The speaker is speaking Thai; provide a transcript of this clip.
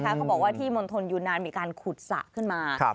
เขาบอกว่าที่มณฑลยูนานมีการขุดสระขึ้นมา